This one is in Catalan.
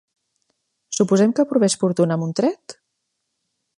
Suposem que provés fortuna amb un tret?